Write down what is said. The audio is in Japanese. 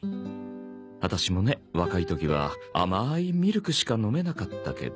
アタシもね若い時は甘いミルクしか飲めなかったけど。